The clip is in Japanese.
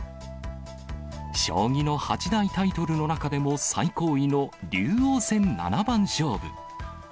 将棋の八大タイトルの中でも最高位の竜王戦七番勝負。